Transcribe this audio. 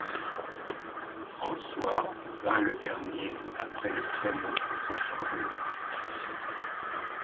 François vint le dernier après le traîneau et son chargement.